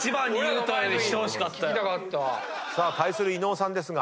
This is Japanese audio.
さあ対する伊野尾さんですが。